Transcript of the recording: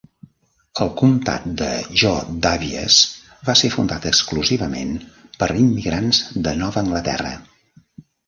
El comtat de Jo Daviess va ser fundat exclusivament per immigrants de Nova Anglaterra.